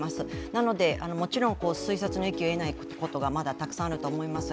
なので、もちろん推察の域を出ないことがたくさんあると思います。